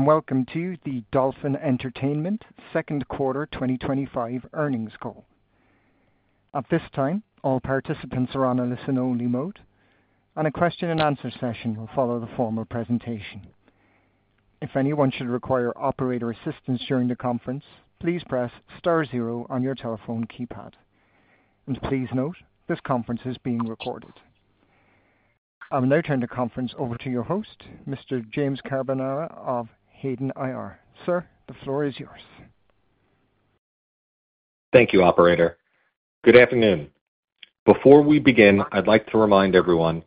Welcome to the Dolphin Entertainment second quarter 2025 earnings call. At this time, all participants are on a listen-only mode, and a question-and-answer session will follow the formal presentation. If anyone should require operator assistance during the conference, please press star zero on your telephone keypad. Please note, this conference is being recorded. I will now turn the conference over to your host, Mr. James Carbonara of Hayden IR. Sir, the floor is yours. Thank you, Operator. Good afternoon. Before we begin, I'd like to remind everyone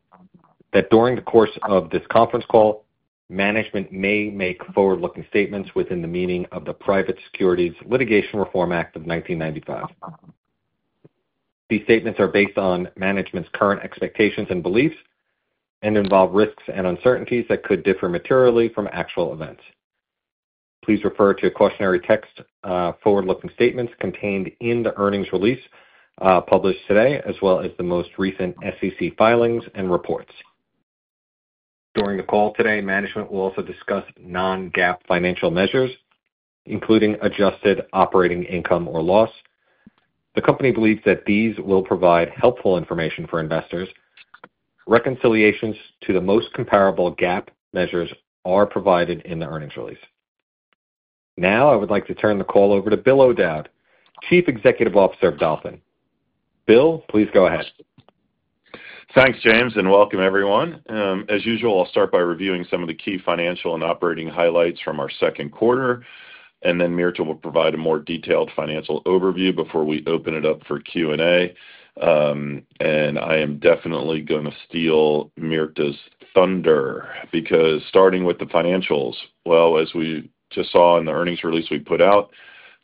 that during the course of this conference call, management may make forward-looking statements within the meaning of the Private Securities Litigation Reform Act of 1995. These statements are based on management's current expectations and beliefs and involve risks and uncertainties that could differ materially from actual events. Please refer to cautionary text, forward-looking statements contained in the earnings release published today, as well as the most recent SEC filings and reports. During the call today, management will also discuss non-GAAP financial measures, including adjusted operating income or loss. The company believes that these will provide helpful information for investors. Reconciliations to the most comparable GAAP measures are provided in the earnings release. Now, I would like to turn the call over to Bill O’Dowd, Chief Executive Officer at Dolphin. Bill, please go ahead. Thanks, James, and welcome, everyone. As usual, I'll start by reviewing some of the key financial and operating highlights from our second quarter, and then Mirta will provide a more detailed financial overview before we open it up for Q&A. I am definitely going to steal Mirta's thunder because starting with the financials, as we just saw in the earnings release we put out,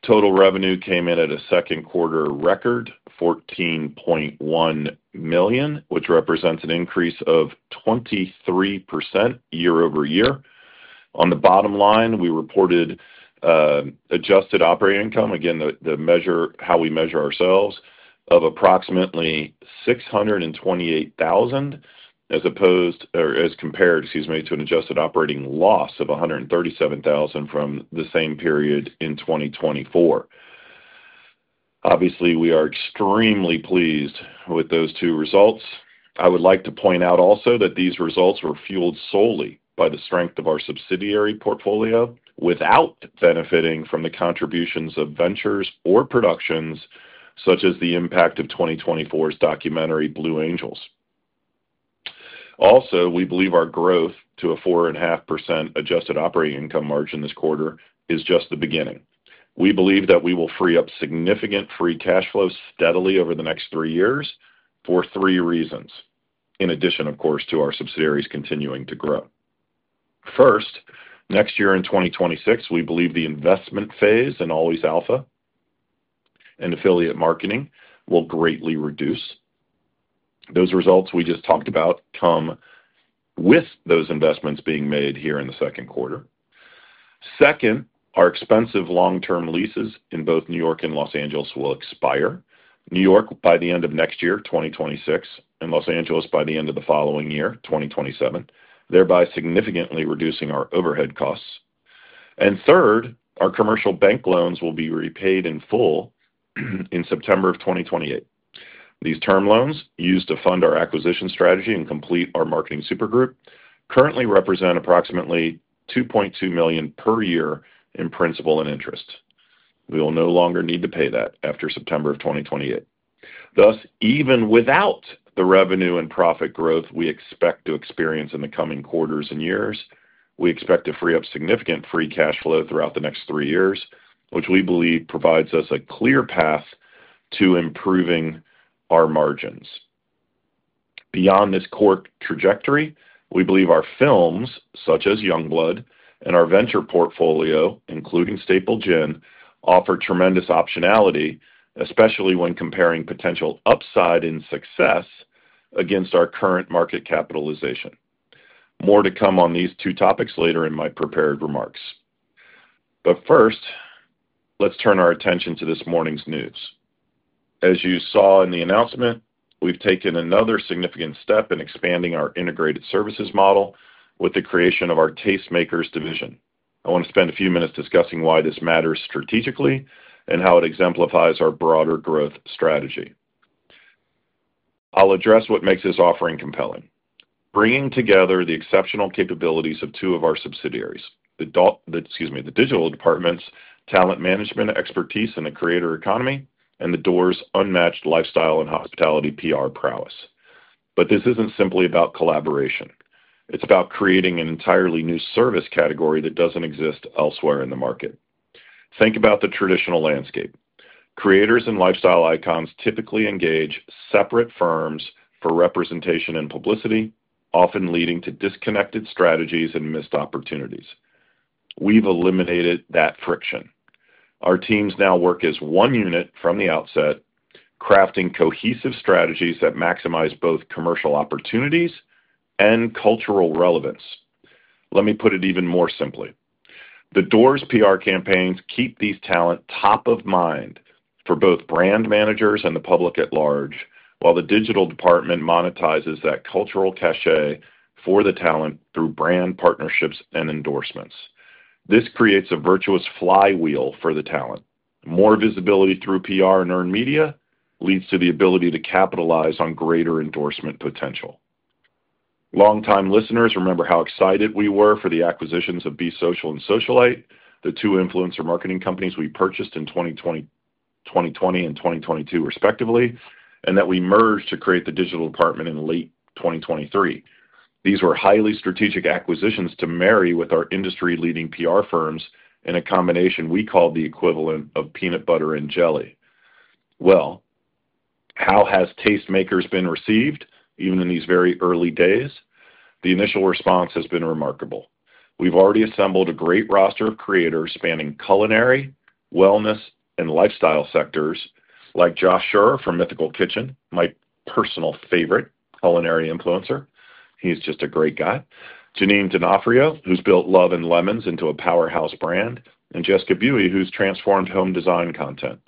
total revenue came in at a second quarter record, $14.1 million, which represents an increase of 23% year-over-year. On the bottom line, we reported adjusted operating income, again, the measure, how we measure ourselves, of approximately $628,000 as compared, excuse me, to an adjusted operating loss of $137,000 from the same period in 2024. Obviously, we are extremely pleased with those two results. I would like to point out also that these results were fueled solely by the strength of our subsidiary portfolio without benefiting from the contributions of ventures or productions such as the impact of 2024's documentary Blue Angels. We believe our growth to a 4.5% adjusted operating income margin this quarter is just the beginning. We believe that we will free up significant free cash flow steadily over the next three years for three reasons, in addition, of course, to our subsidiaries continuing to grow. First, next year in 2026, we believe the investment phase in Always Alpha and affiliate marketing will greatly reduce. Those results we just talked about come with those investments being made here in the second quarter. Second, our expensive long-term leases in both New York and Los Angeles will expire. New York by the end of next year, 2026, and Los Angeles by the end of the following year, 2027, thereby significantly reducing our overhead costs. Third, our commercial bank loans will be repaid in full in September of 2028. These term loans, used to fund our acquisition strategy and complete our marketing supergroup, currently represent approximately $2.2 million per year in principal and interest. We will no longer need to pay that after September of 2028. Thus, even without the revenue and profit growth we expect to experience in the coming quarters and years, we expect to free up significant free cash flow throughout the next three years, which we believe provides us a clear path to improving our margins. Beyond this core trajectory, we believe our films, such as Youngblood, and our venture portfolio, including Staple Gin, offer tremendous optionality, especially when comparing potential upside in success against our current market capitalization. More to come on these two topics later in my prepared remarks. First, let's turn our attention to this morning's news. As you saw in the announcement, we've taken another significant step in expanding our integrated services model with the creation of our Tastemakers division. I want to spend a few minutes discussing why this matters strategically and how it exemplifies our broader growth strategy. I'll address what makes this offering compelling. Bringing together the exceptional capabilities of two of our subsidiaries, the digital department's talent management expertise in the creator economy, and The Door's unmatched lifestyle and hospitality PR prowess. This isn't simply about collaboration. It's about creating an entirely new service category that doesn't exist elsewhere in the market. Think about the traditional landscape. Creators and lifestyle icons typically engage separate firms for representation and publicity, often leading to disconnected strategies and missed opportunities. We've eliminated that friction. Our teams now work as one unit from the outset, crafting cohesive strategies that maximize both commercial opportunities and cultural relevance. Let me put it even more simply. The Door's PR campaigns keep these talent top of mind for both brand managers and the public at large, while the digital department monetizes that cultural cachet for the talent through brand partnerships and endorsements. This creates a virtuous flywheel for the talent. More visibility through PR and earned media leads to the ability to capitalize on greater endorsement potential. Longtime listeners remember how excited we were for the acquisitions of Be Social and Socialite, the two influencer marketing companies we purchased in 2020 and 2022, respectively, and that we merged to create the digital department in late 2023. These were highly strategic acquisitions to marry with our industry-leading PR firms in a combination we called the equivalent of peanut butter and jelly. How has Tastemakers been received, even in these very early days? The initial response has been remarkable. We've already assembled a great roster of creators spanning culinary, wellness, and lifestyle sectors, like Josh Scherer from Mythical Kitchen, my personal favorite culinary influencer. He's just a great guy. Janine D’Onofrio, who's built Love and Lemons into a powerhouse brand, and Jessica Buie, who's transformed home design content.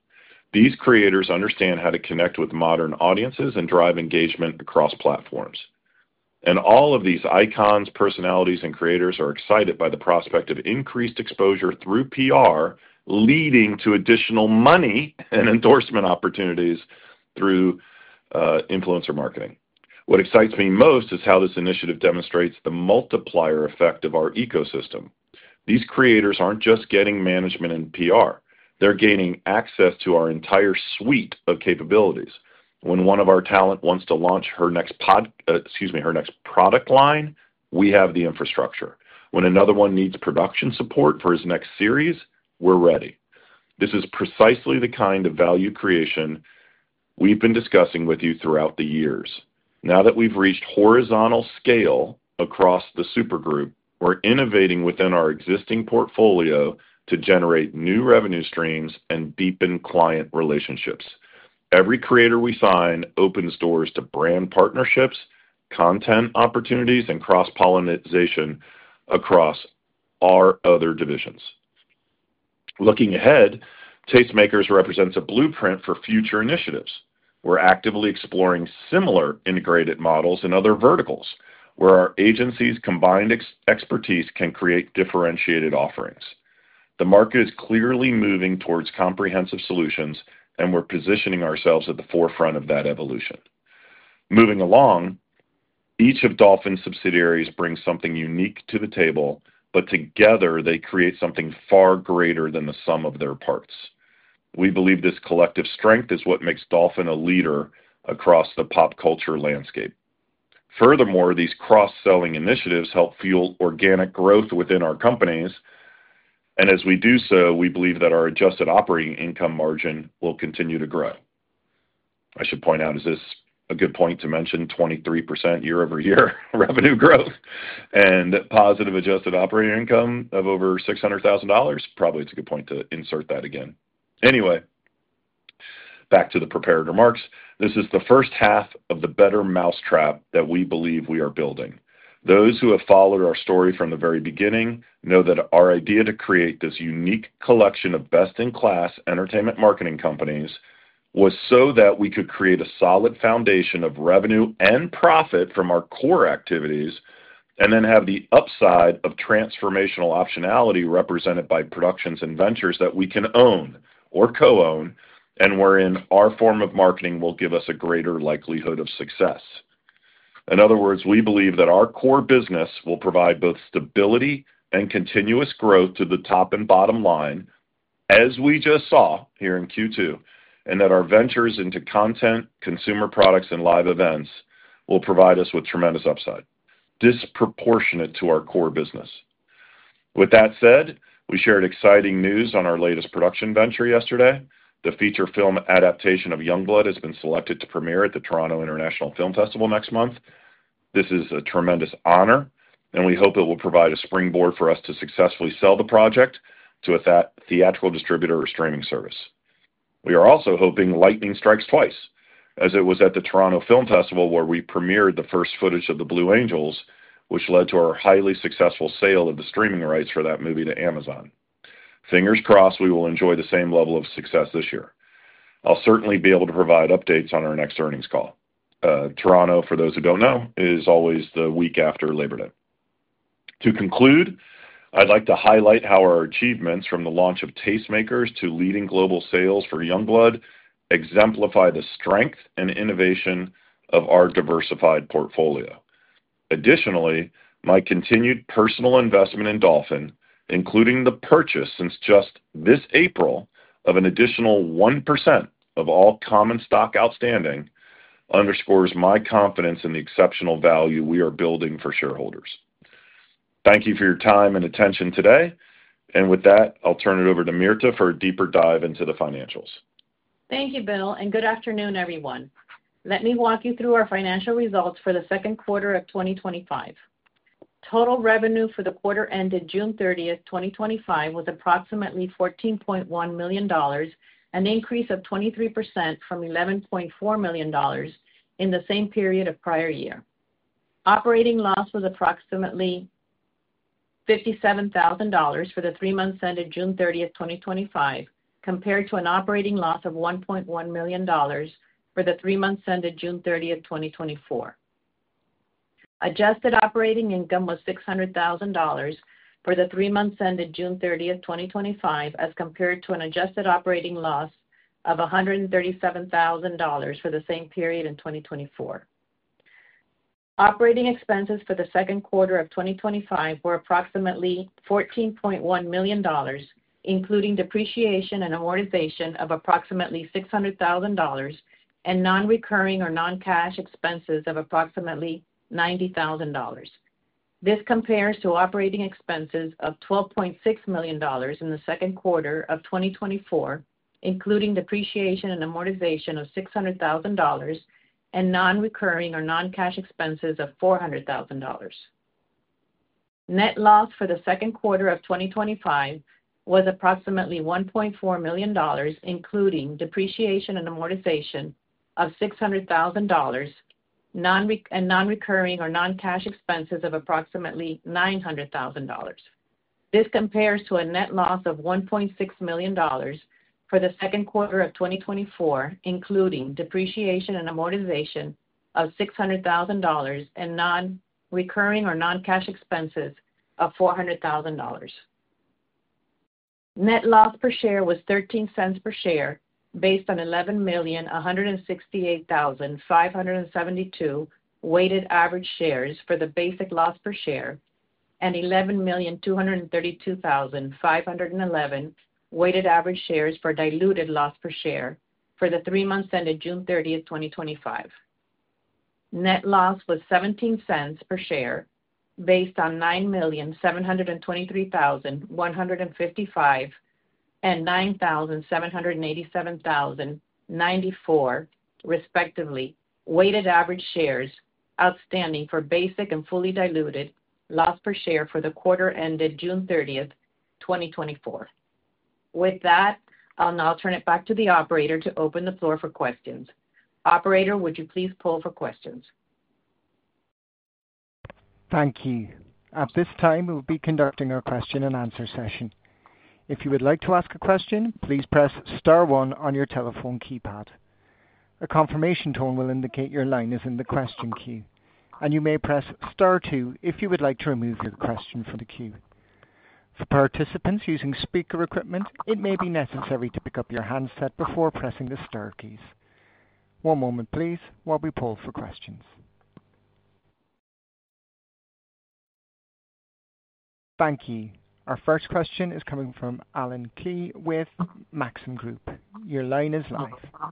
These creators understand how to connect with modern audiences and drive engagement across platforms. All of these icons, personalities, and creators are excited by the prospect of increased exposure through PR, leading to additional money and endorsement opportunities through influencer marketing. What excites me most is how this initiative demonstrates the multiplier effect of our ecosystem. These creators aren't just getting management and PR. They're gaining access to our entire suite of capabilities. When one of our talent wants to launch her next pod, excuse me, her next product line, we have the infrastructure. When another one needs production support for his next series, we're ready. This is precisely the kind of value creation we've been discussing with you throughout the years. Now that we've reached horizontal scale across the supergroup, we're innovating within our existing portfolio to generate new revenue streams and deepen client relationships. Every creator we sign opens doors to brand partnerships, content opportunities, and cross-pollination across our other divisions. Looking ahead, Tastemakers represents a blueprint for future initiatives. We're actively exploring similar integrated models in other verticals, where our agencies' combined expertise can create differentiated offerings. The market is clearly moving towards comprehensive solutions, and we're positioning ourselves at the forefront of that evolution. Moving along, each of Dolphin's subsidiaries brings something unique to the table, but together they create something far greater than the sum of their parts. We believe this collective strength is what makes Dolphin a leader across the pop culture landscape. Furthermore, these cross-selling initiatives help fuel organic growth within our companies, and as we do so, we believe that our adjusted operating income margin will continue to grow. I should point out, is this a good point to mention 23% year-over-year revenue growth and positive adjusted operating income of over $600,000? Probably it's a good point to insert that again. Anyway, back to the prepared remarks. This is the first half of the better mousetrap that we believe we are building. Those who have followed our story from the very beginning know that our idea to create this unique collection of best-in-class entertainment marketing companies was so that we could create a solid foundation of revenue and profit from our core activities and then have the upside of transformational optionality represented by productions and ventures that we can own or co-own and wherein our form of marketing will give us a greater likelihood of success. In other words, we believe that our core business will provide both stability and continuous growth to the top and bottom line, as we just saw here in Q2, and that our ventures into content, consumer products, and live events will provide us with tremendous upside, disproportionate to our core business. With that said, we shared exciting news on our latest production venture yesterday. The feature film adaptation of Youngblood has been selected to premiere at the Toronto International Film Festival next month. This is a tremendous honor, and we hope it will provide a springboard for us to successfully sell the project to a theatrical distributor or streaming service. We are also hoping lightning strikes twice, as it was at the Toronto International Film Festival where we premiered the first footage of Blue Angels, which led to our highly successful sale of the streaming rights for that movie to Amazon Prime. Fingers crossed we will enjoy the same level of success this year. I'll certainly be able to provide updates on our next earnings call. Toronto, for those who don't know, is always the week after Labor Day. To conclude, I'd like to highlight how our achievements from the launch of Tastemakers to leading global sales for Youngblood exemplify the strength and innovation of our diversified portfolio. Additionally, my continued personal investment in Dolphin, including the purchase since just this April of an additional 1% of all common stock outstanding, underscores my confidence in the exceptional value we are building for shareholders. Thank you for your time and attention today, and with that, I'll turn it over to Mirta for a deeper dive into the financials. Thank you, Bill, and good afternoon, everyone. Let me walk you through our financial results for the second quarter of 2025. Total revenue for the quarter ended June 30, 2025, was approximately $14.1 million, an increase of 23% from $11.4 million in the same period of the prior year. Operating loss was approximately $57,000 for the three months ended June 30, 2025, compared to an operating loss of $1.1 million for the three months ended June 30, 2024. Adjusted operating income was $600,000 for the three months ended June 30, 2025, as compared to an adjusted operating loss of $137,000 for the same period in 2024. Operating expenses for the second quarter of 2025 were approximately $14.1 million, including depreciation and amortization of approximately $600,000 and non-recurring or non-cash expenses of approximately $90,000. This compares to operating expenses of $12.6 million in the second quarter of 2024, including depreciation and amortization of $600,000 and non-recurring or non-cash expenses of $400,000. Net loss for the second quarter of 2025 was approximately $1.4 million, including depreciation and amortization of $600,000 and non-recurring or non-cash expenses of approximately $900,000. This compares to a net loss of $1.6 million for the second quarter of 2024, including depreciation and amortization of $600,000 and non-recurring or non-cash expenses of $400,000. Net loss per share was $0.13 per share, based on 11,168,572 weighted average shares for the basic loss per share and 11,232,511 weighted average shares for diluted loss per share for the three months ended June 30, 2025. Net loss was $0.17 per share, based on 9,723,155 and 9,787,094, respectively, weighted average shares outstanding for basic and fully diluted loss per share for the quarter ended June 30, 2024. With that, I'll now turn it back to the operator to open the floor for questions. Operator, would you please poll for questions? Thank you. At this time, we will be conducting a question-and-answer session. If you would like to ask a question, please press star one your telephone keypad. A confirmation tone will indicate your line is in the question queue, and you may press star two if you would like to remove your question from the queue. For participants using speaker equipment, it may be necessary to pick up your handset before pressing the star keys. One moment, please, while we pull for questions. Thank you. Our first question is coming from Allen Klee with Maxim Group. Your line is live.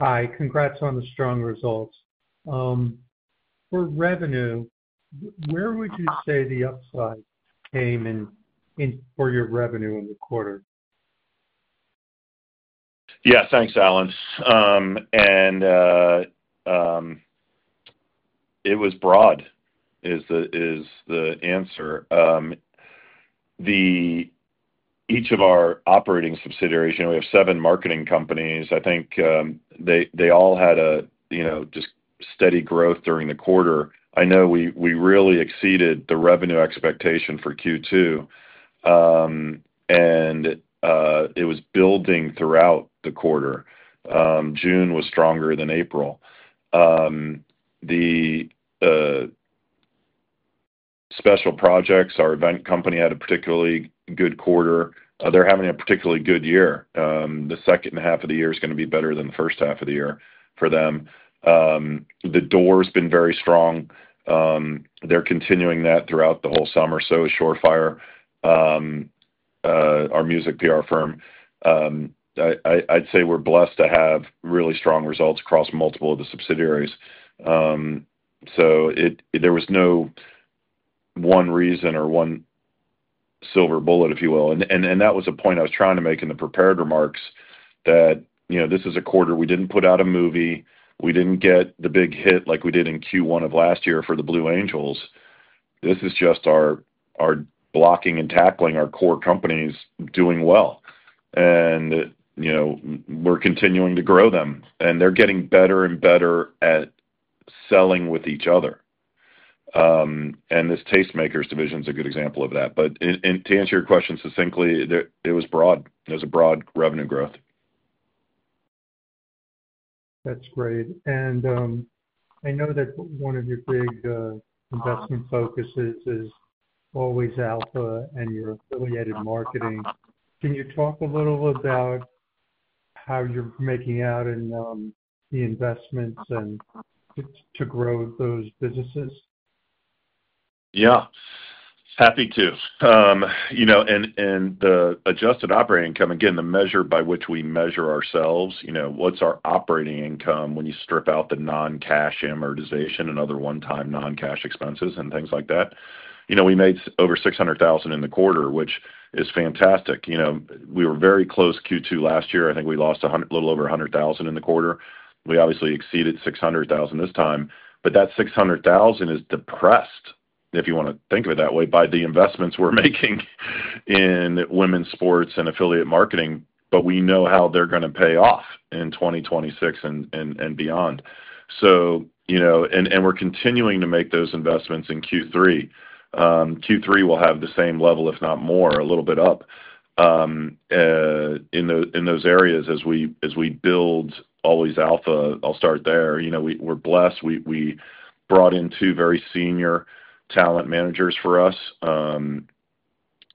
Hi. Congrats on the strong results. For revenue, where would you say the upside came in for your revenue in the quarter? Yeah, thanks, Allen. It was broad is the answer. Each of our operating subsidiaries, you know, we have seven marketing companies. I think they all had a, you know, just steady growth during the quarter. I know we really exceeded the revenue expectation for Q2, and it was building throughout the quarter. June was stronger than April. Special Projects, our event company, had a particularly good quarter. They're having a particularly good year. The second half of the year is going to be better than the first half of the year for them. The Door's been very strong. They're continuing that throughout the whole summer, so is Shore Fire, our music PR firm. I'd say we're blessed to have really strong results across multiple of the subsidiaries. There was no one reason or one silver bullet, if you will. That was a point I was trying to make in the prepared remarks that, you know, this is a quarter we didn't put out a movie. We didn't get the big hit like we did in Q1 of last year for the Blue Angels. This is just our blocking and tackling, our core companies doing well. You know, we're continuing to grow them, and they're getting better and better at selling with each other. This Tastemakers division is a good example of that. To answer your question succinctly, it was broad. It was a broad revenue growth. That's great. I know that one of your big investment focuses is Always Alpha and your affiliate marketing. Can you talk a little about how you're making out in the investments and to grow those businesses? Yeah. Happy to. You know, the adjusted operating income, again, the measure by which we measure ourselves, you know, what's our operating income when you strip out the non-cash amortization and other one-time non-cash expenses and things like that. We made over $600,000 in the quarter, which is fantastic. We were very close to Q2 last year. I think we lost a little over $100,000 in the quarter. We obviously exceeded $600,000 this time. That $600,000 is depressed, if you want to think of it that way, by the investments we're making in women's sports and affiliate marketing. We know how they're going to pay off in 2026 and beyond. We're continuing to make those investments in Q3. Q3 will have the same level, if not more, a little bit up in those areas, as we build Always Alpha. I'll start there. We're blessed. We brought in two very senior talent managers for us,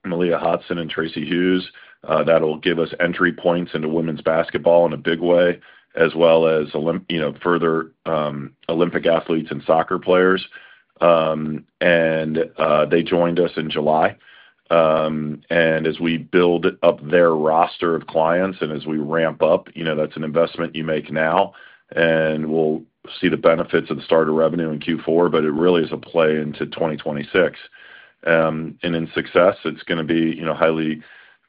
Malia Hodson and Tracy Hughes. That will give us entry points into women's basketball in a big way, as well as further Olympic athletes and soccer players. They joined us in July, and as we build up their roster of clients and as we ramp up, that's an investment you make now. We'll see the benefits of the starter revenue in Q4, but it really is a play into 2026. In success, it's going to be highly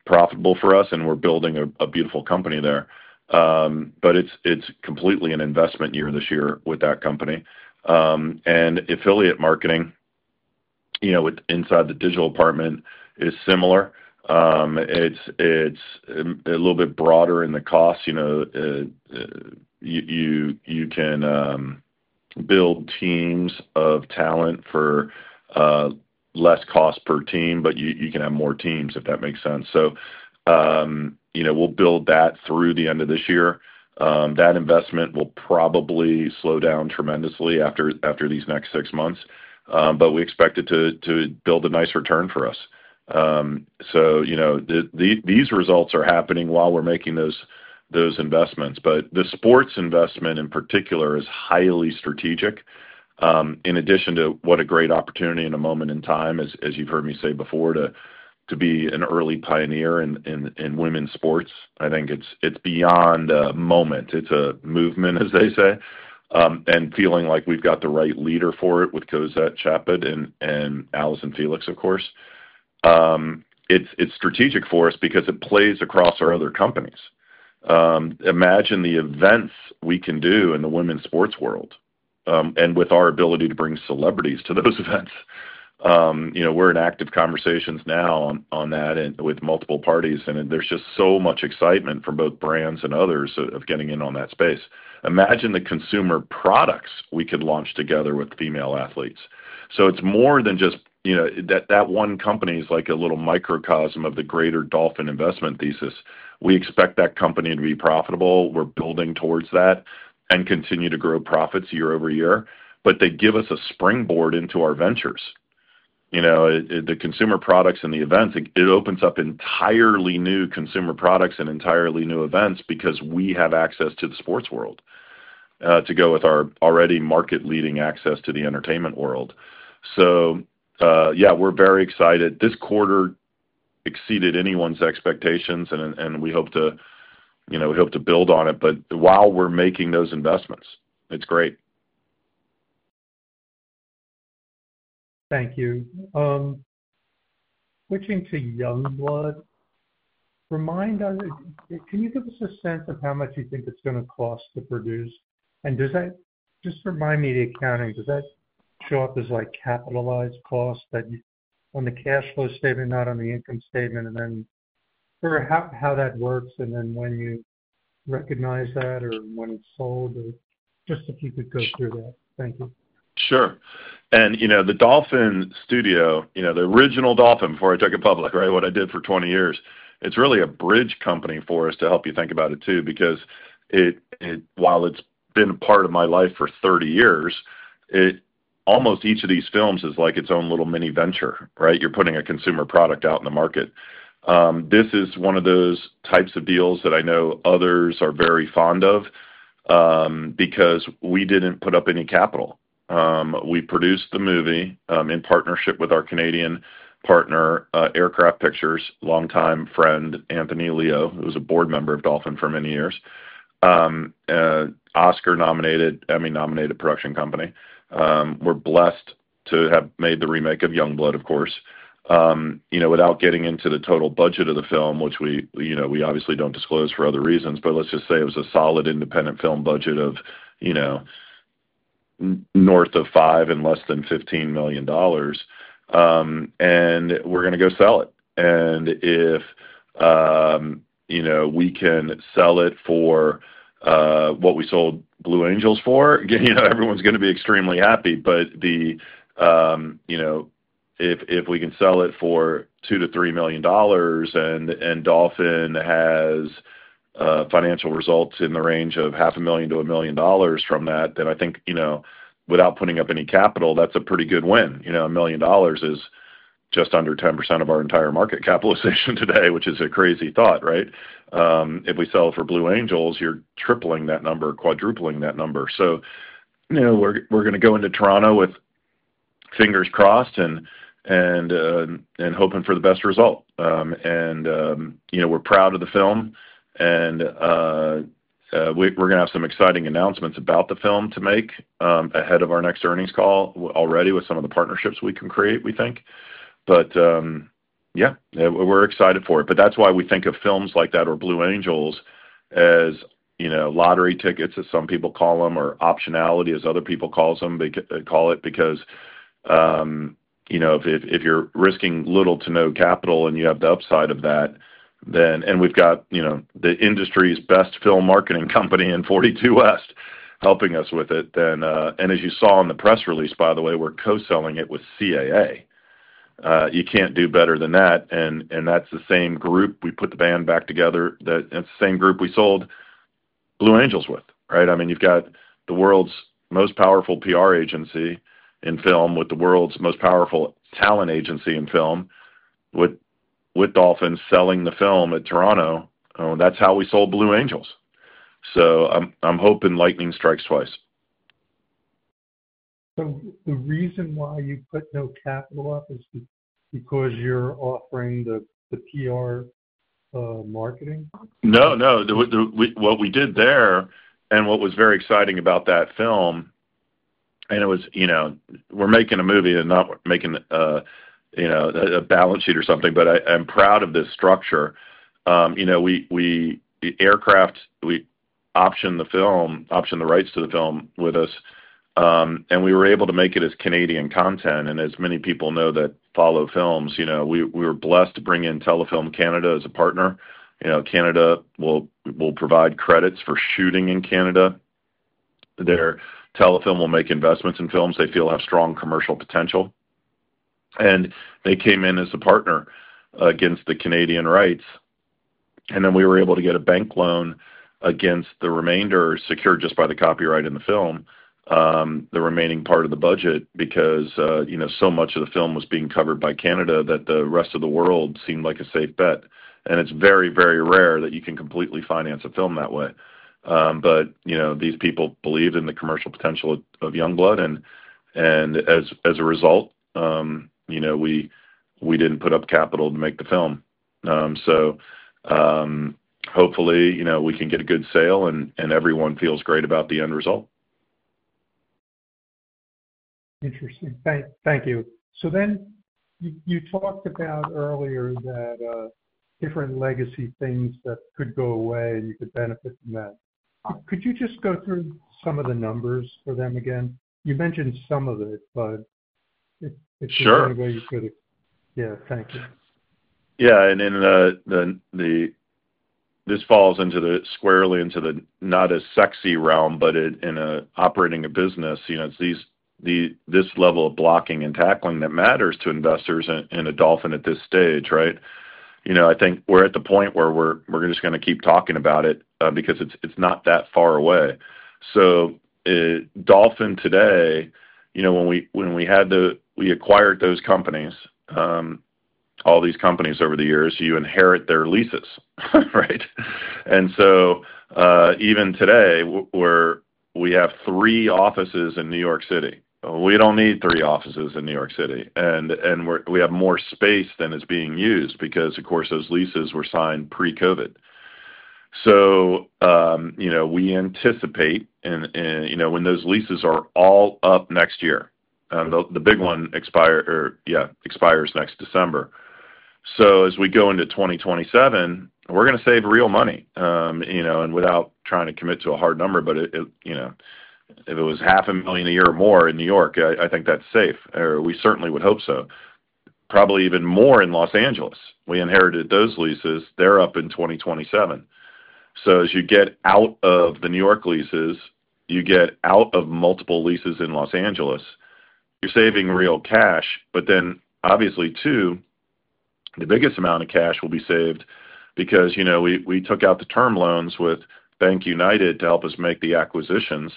profitable for us, and we're building a beautiful company there. It's completely an investment year this year with that company. Affiliate marketing inside the digital department is similar. It's a little bit broader in the cost. You can build teams of talent for less cost per team, but you can have more teams, if that makes sense. We'll build that through the end of this year. That investment will probably slow down tremendously after these next six months. We expect it to build a nice return for us. These results are happening while we're making those investments. The sports investment in particular is highly strategic. In addition to what a great opportunity in a moment in time, as you've heard me say before, to be an early pioneer in women's sports. I think it's beyond a moment. It's a movement, as they say, and feeling like we've got the right leader for it with Cosette Chaped and Allyson Felix, of course. It's strategic for us because it plays across our other companies. Imagine the events we can do in the women's sports world, and with our ability to bring celebrities to those events. We're in active conversations now on that and with multiple parties, and there's just so much excitement from both brands and others of getting in on that space. Imagine the consumer products we could launch together with female athletes. It's more than just, you know, that one company is like a little microcosm of the greater Dolphin investment thesis. We expect that company to be profitable. We're building towards that and continue to grow profits year over year. They give us a springboard into our ventures. The consumer products and the events, it opens up entirely new consumer products and entirely new events because we have access to the sports world to go with our already market-leading access to the entertainment world. We're very excited. This quarter exceeded anyone's expectations, and we hope to build on it. While we're making those investments, it's great. Thank you. Switching to Youngblood, remind us, can you give us a sense of how much you think it's going to cost to produce? Does that, just remind me, the accounting, does that show up as like capitalized costs on the cash flow statement, not on the income statement, and then sort of how that works, and then when you recognize that or when it's sold, or just if you could go through that. Thank you. Sure. The Dolphin studio, the original Dolphin before I took it public, what I did for 20 years, it's really a bridge company for us to help you think about it too, because while it's been a part of my life for 30 years, almost each of these films is like its own little mini venture. You're putting a consumer product out in the market. This is one of those types of deals that I know others are very fond of, because we didn't put up any capital. We produced the movie in partnership with our Canadian partner, Aircraft Pictures, longtime friend Anthony Leo, who was a board member of Dolphin for many years. Oscar-nominated, Emmy-nominated production company. We're blessed to have made the remake of Youngblood, of course. Without getting into the total budget of the film, which we obviously don't disclose for other reasons, let's just say it was a solid independent film budget of north of $5 million and less than $15 million. We're going t0 go sell it. If we can sell it for what we sold Blue Angels for, everyone's going to be extremely happy. If we can sell it for $2 millio- $3 million and Dolphin has financial results in the range of $0.5 million to $1 million from that, then I think, without putting up any capital, that's a pretty good win. $1 million is just under 10% of our entire market capitalization today, which is a crazy thought, right? If we sell for Blue Angels, you're tripling that number, quadrupling that number. We're going to go into Toronto with fingers crossed and hoping for the best result. We're proud of the film, and we're going to have some exciting announcements about the film to make ahead of our next earnings call already with some of the partnerships we can create, we think. We're excited for it. That's why we think of films like that or Blue Angels as lottery tickets, as some people call them, or optionality, as other people call them, because if you're risking little to no capital and you have the upside of that, and we've got the industry's best film marketing company in 42West helping us with it, and as you saw in the press release, by the way, we're co-selling it with CAA. You can't do better than that. That's the same group. We put the band back together; it's the same group we sold Blue Angels with, right? I mean, you've got the world's most powerful PR agency in film with the world's most powerful talent agency in film, with Dolphin selling the film at Toronto. That's how we sold Blue Angels. I'm hoping lightning strikes twice. The reason why you put no capital up is because you're offering the PR marketing? No, no. What we did there and what was very exciting about that film, and it was, you know, we're making a movie and not making a, you know, a balance sheet or something, but I'm proud of this structure. We, the aircraft, we optioned the film, optioned the rights to the film with us, and we were able to make it as Canadian content. As many people know that follow films, we were blessed to bring in Telefilm Canada as a partner. Canada will provide credits for shooting in Canada. Telefilm will make investments in films they feel have strong commercial potential. They came in as a partner against the Canadian rights. We were able to get a bank loan against the remainder secured just by the copyright in the film, the remaining part of the budget because so much of the film was being covered by Canada that the rest of the world seemed like a safe bet. It's very, very rare that you can completely finance a film that way. These people believed in the commercial potential of Youngblood, and as a result, we didn't put up capital to make the film. Hopefully, we can get a good sale and everyone feels great about the end result. Interesting. Thank you. You talked about earlier that different legacy things that could go away and you could benefit from that. Could you just go through some of the numbers for them again? You mentioned some of it, but it's the only way you could. Sure. Thank you. Yeah, this falls squarely into the not as sexy realm, but in operating a business, it's this level of blocking and tackling that matters to investors in Dolphin at this stage, right? I think we're at the point where we're just going to keep talking about it, because it's not that far away. Dolphin today, when we acquired those companies, all these companies over the years, you inherit their leases, right? Even today, we have three offices in New York City. We don't need three offices in New York City, and we have more space than is being used because, of course, those leases were signed pre-COVID. We anticipate, when those leases are all up next year, the big one expires next December. As we go into 2027, we're going to save real money, and without trying to commit to a hard number, but if it was $500,000 a year or more in New York, I think that's safe, or we certainly would hope so. Probably even more in Los Angeles. We inherited those leases. They're up in 2027. As you get out of the New York leases, you get out of multiple leases in Los Angeles, you're saving real cash. Obviously, too, the biggest amount of cash will be saved because we took out the term loans with Bank United to help us make the acquisitions.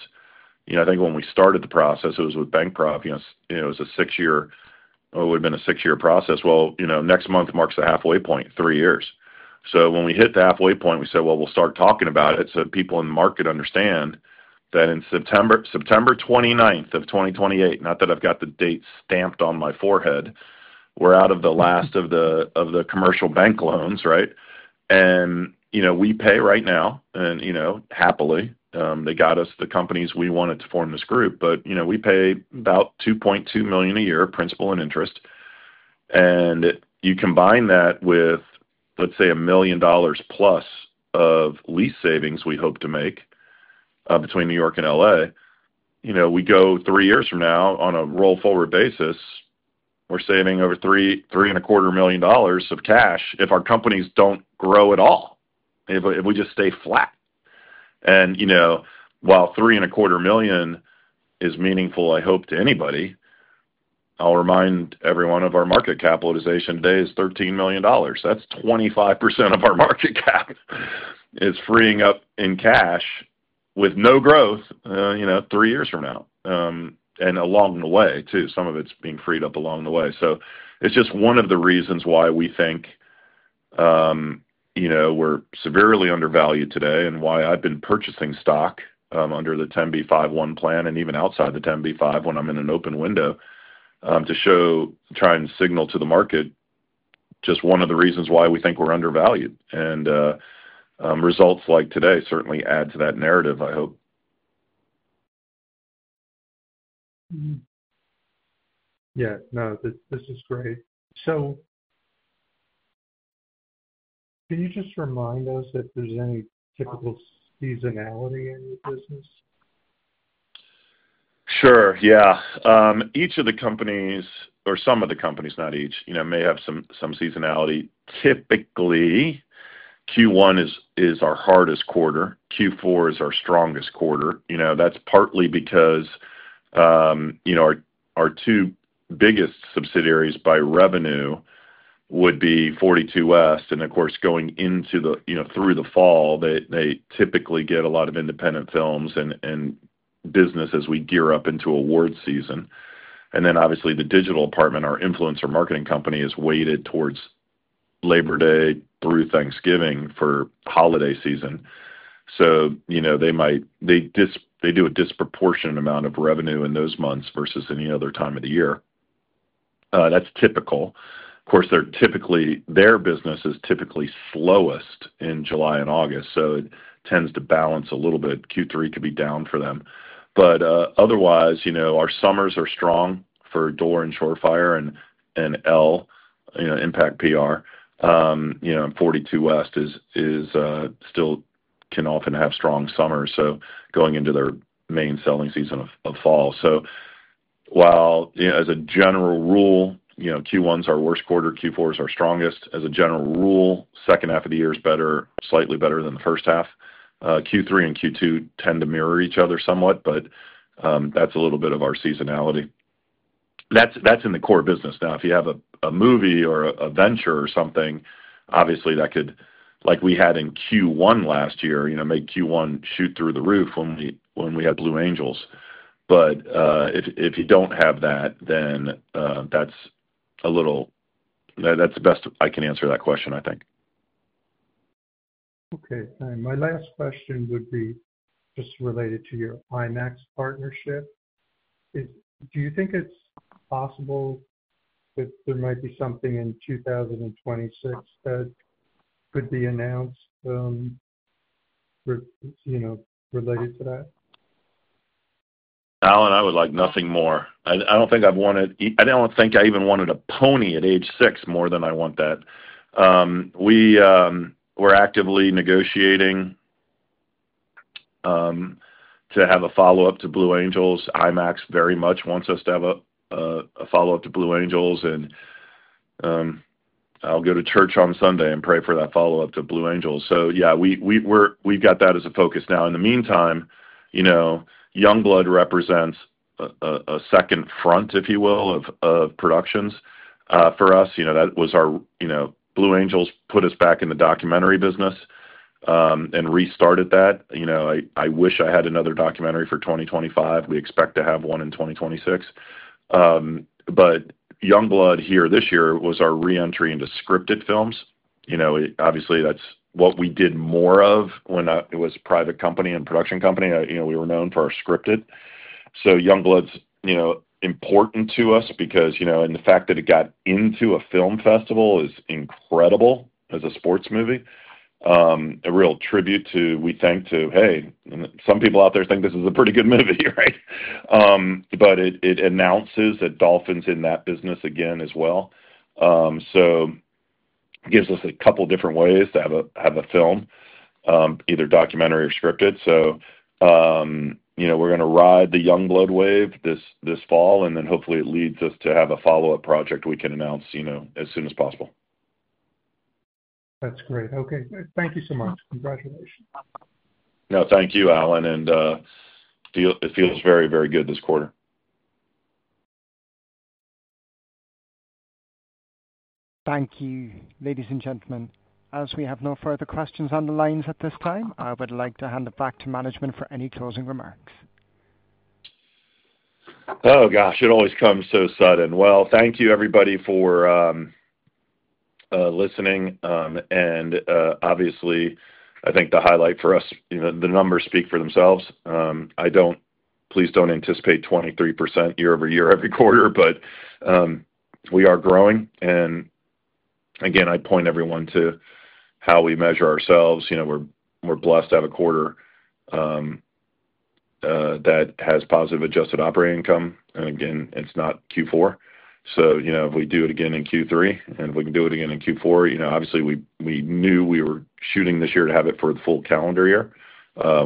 I think when we started the process, it was with Bank Prop. It was a six-year, or it would have been a six-year process. Next month marks the halfway point, three years. When we hit the halfway point, we said we'll start talking about it so people in the market understand that on September 29, 2028, not that I've got the date stamped on my forehead, we're out of the last of the commercial bank loans, right? We pay right now, and happily, they got us the companies we wanted to form this group. We pay about $2.2 million a year of principal and interest. You combine that with, let's say, $1 million plus of lease savings we hope to make, between New York and Los Angeles. We go three years from now on a roll forward basis. We're saving over $3 million, $3.25 million of cash if our companies don't grow at all, if we just stay flat. While $3.25 million is meaningful, I hope, to anybody, I'll remind everyone of our market capitalization. Today it is $13 million. That's 25% of our market cap. It's freeing up in cash with no growth, you know, three years from now, and along the way, too, some of it's being freed up along the way. It is just one of the reasons why we think we're severely undervalued today and why I've been purchasing stock under the 10B5-1 plan and even outside the 10B5 when I'm in an open window, to show, try and signal to the market just one of the reasons why we think we're undervalued. Results like today certainly add to that narrative, I hope. Yeah, no, this is great. Can you just remind us if there's any typical seasonality in your business? Sure, yeah. Some of the companies, not each, may have some seasonality. Typically, Q1 is our hardest quarter. Q4 is our strongest quarter. That's partly because our two biggest subsidiaries by revenue would be 42West, and of course, going through the fall, they typically get a lot of independent films and business as we gear up into award season. Obviously, the digital department, our influencer marketing company, is weighted towards Labor Day through Thanksgiving for holiday season. They do a disproportionate amount of revenue in those months versus any other time of the year. That's typical. Their business is typically slowest in July and August. It tends to balance a little bit. Q3 could be down for them. Otherwise, our summers are strong for The Door and Shore Fire Media and, you know, Impact PR. 42West still can often have strong summers going into their main selling season of fall. As a general rule, Q1's our worst quarter, Q4's our strongest. As a general rule, the second half of the year is slightly better than the first half. Q3 and Q2 tend to mirror each other somewhat, but that's a little bit of our seasonality. That's in the core business. Now, if you have a movie or a venture or something, obviously that could, like we had in Q1 last year, make Q1 shoot through the roof when we had Blue Angels. If you don't have that, then that's the best I can answer that question, I think. Okay. My last question would be just related to your IMAX partnership. Do you think it's possible that there might be something in 2026 that could be announced related to that? Alan, I would like nothing more. I don't think I've wanted, I don't think I even wanted a pony at age six more than I want that. We're actively negotiating to have a follow-up to Blue Angels. IMAX very much wants us to have a follow-up to Blue Angels. I'll go to church on Sunday and pray for that follow-up to Blue Angels. We've got that as a focus. In the meantime, Youngblood represents a second front, if you will, of productions for us. Blue Angels put us back in the documentary business and restarted that. I wish I had another documentary for 2025. We expect to have one in 2026. Youngblood here this year was our reentry into scripted films. Obviously, that's what we did more of when it was a private company and production company. We were known for our scripted. Youngblood's important to us because, and the fact that it got into a film festival is incredible as a sports movie, a real tribute to, we think, hey, some people out there think this is a pretty good movie, right? It announces that Dolphin Entertainment is in that business again as well. It gives us a couple different ways to have a film, either documentary or scripted. We're going to ride the Youngblood wave this fall, and hopefully it leads us to have a follow-up project we can announce as soon as possible. That's great. Okay, thank you so much. Congratulations. No, thank you, Alan. It feels very, very good this quarter. Thank you, ladies and gentlemen. As we have no further questions on the lines at this time, I would like to hand it back to management for any closing remarks. Oh, gosh, it always comes so sudden. Thank you, everybody, for listening. Obviously, I think the highlight for us, you know, the numbers speak for themselves. I don't, please don't anticipate 23% year over year every quarter, but we are growing. Again, I point everyone to how we measure ourselves. You know, we're blessed to have a quarter that has positive adjusted operating income. Again, it's not Q4. If we do it again in Q3, and if we can do it again in Q4, you know, obviously, we knew we were shooting this year to have it for a full calendar year.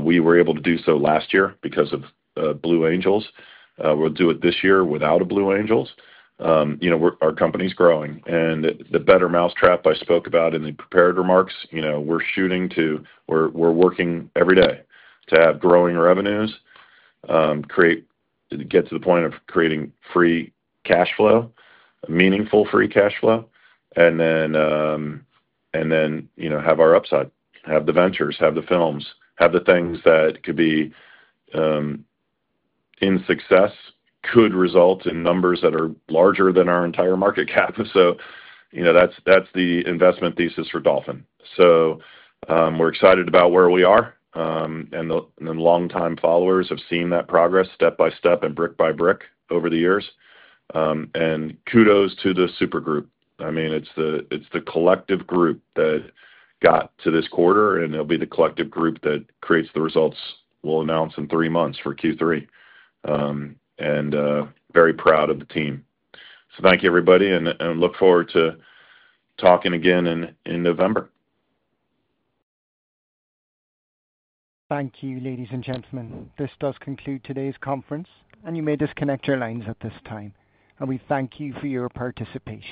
We were able to do so last year because of Blue Angels. We'll do it this year without a Blue Angels. You know, our company's growing. The better mousetrap I spoke about in the prepared remarks, you know, we're shooting to, we're working every day to have growing revenues, get to the point of creating free cash flow, meaningful free cash flow, and then, you know, have our upside, have the ventures, have the films, have the things that could be, in success could result in numbers that are larger than our entire market cap. That's the investment thesis for Dolphin Entertainment. We're excited about where we are, and the longtime followers have seen that progress step by step and brick by brick over the years. Kudos to the supergroup. I mean, it's the collective group that got to this quarter, and it'll be the collective group that creates the results we'll announce in three months for Q3. Very proud of the team. Thank you, everybody, and look forward to talking again in November. Thank you, ladies and gentlemen. This does conclude today's conference, and you may disconnect your lines at this time. We thank you for your participation.